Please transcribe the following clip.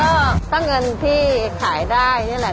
ก็ถ้าเงินที่ขายได้นี่แหละ